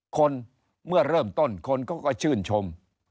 คนเมื่อเริ่มต้นคนเขาก็ชื่นชม